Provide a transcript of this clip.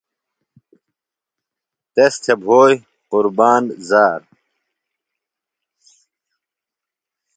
تس تھۡے بھوئی قُربان زار